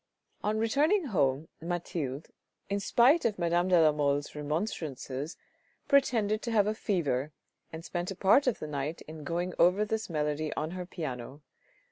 On returning home Mathilde, in spite of Madame de la Mole's remonstrances, pretended to have a fever and spent a part of the night in going over this melody on her piano.